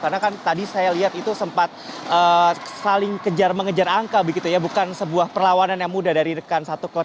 karena kan tadi saya lihat itu sempat saling kejar mengejar angka begitu ya bukan sebuah perlawanan yang mudah dari rekan satu klub